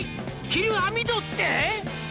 「着る網戸って！？」